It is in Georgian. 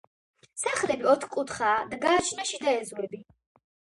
სახლები ოთხკუთხაა და გააჩნია შიდა ეზოები.